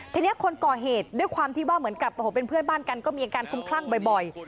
ทีนี้คนก่อเหตุด้วยความที่ว่าเหมือนกับโอ้โหเป็นเพื่อนบ้านกันก็มีอาการคุ้มคลั่งบ่อย